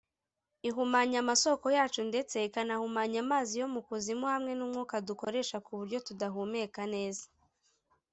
ihumanya amasoko yacu ndetse ikanahumanya amazi yo mu kuzimu hamwe n’umwuka dukoresha ku buryo tudahumeka neza”